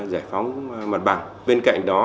giải phóng mặt bằng bên cạnh đó